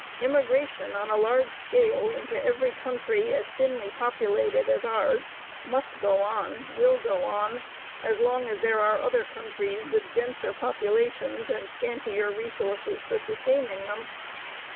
Immigration on a large scale into every country as thinly populated as ours must go on, will go on, as long as there are other countries with denser populations and scantier resources for sustaining them.